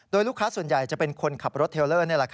โดยลูกค้าส่วนใหญ่จะเป็นคนขับรถเทลเลอร์